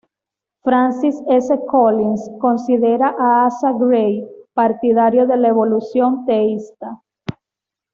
Francis S. Collins considera a Asa Gray partidario de la evolución teísta.